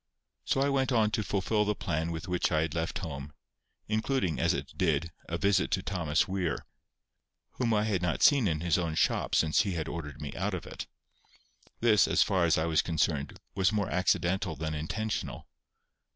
So I went on to fulfil the plan with which I had left home, including, as it did, a visit to Thomas Weir, whom I had not seen in his own shop since he had ordered me out of it. This, as far as I was concerned, was more accidental than intentional.